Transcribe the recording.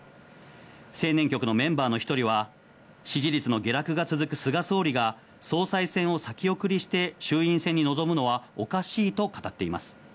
青年局のメンバーの１人は支持率の下落が続く菅総理が総裁選を先送りして衆院選に臨むのはおかしいと語っています。